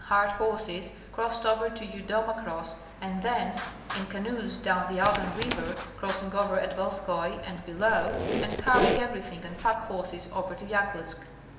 148 hired horses, crossed over to Yudoma Cross and thence in canoes down the Aldan river, crossing over at Belskoi and below, and carrying everything on pack horses over to Yakutsk.